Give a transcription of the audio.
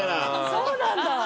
そうなんだ。